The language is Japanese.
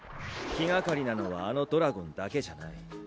気がかりなのはあのドラゴンだけじゃない。